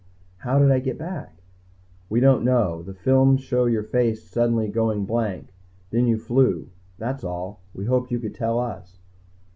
"How did I get back?" "We don't know. The films show your face suddenly going blank. Then you flew. That's all. We hoped you could tell us."